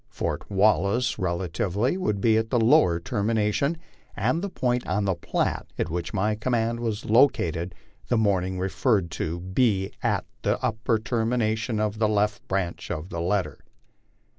Fort Wallace relatively would be at the lower termination, and the point on the Platte at which my command was located the morning re ferred to would be at the upper termination of the left branch of the letter.